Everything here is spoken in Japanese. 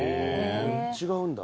・違うんだ。